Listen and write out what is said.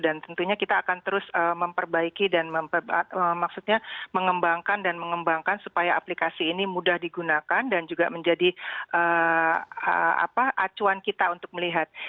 dan tentunya kita akan terus memperbaiki dan mengembangkan supaya aplikasi ini mudah digunakan dan juga menjadi acuan kita untuk melihat